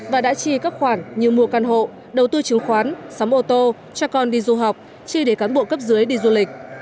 và đã chi các khoản như mua căn hộ đầu tư chứng khoán xóm ô tô cho con đi du học chi để cán bộ cấp dưới đi du lịch